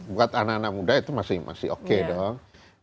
buat anak anak muda itu masih oke dong